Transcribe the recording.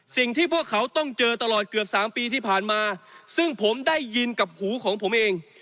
สิ่งที่พวกเขาต้องเจอตลอดเกือบสามปีที่ผ่านมาซึ่งผมได้ยินกับหูของผมเอง